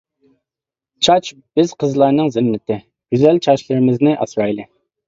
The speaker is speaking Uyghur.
چاچ بىز قىزلارنىڭ زىننىتى، گۈزەل چاچلىرىمىزنى ئاسرايلى!